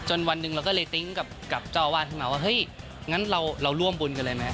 จนวันหนึ่งเราก็หาว่าเห้ยงั้นเราร่วมบุญกันเลยไหม